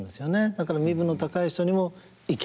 だから身分の高い人にもいける。